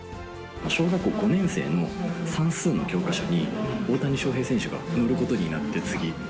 小学校５年生の算数の教科書に、大谷翔平選手が載ることになって、次。